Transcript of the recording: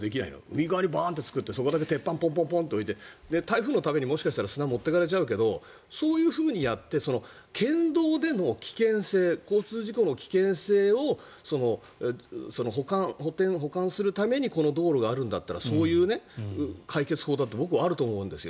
海側にバーンと作ってそこだけ鉄板を置いて台風の度に、もしかしたら砂を持っていかれちゃうけどそういうふうにやって県道での危険性交通事故の危険性を補完するためにこの道路があるんだったらそういう解決法だって僕はあると思うんですよ。